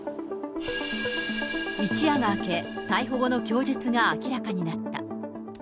一夜が明け、逮捕後の供述が明らかになった。